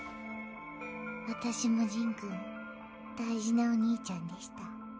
私も仁くん大事なお兄ちゃんでした。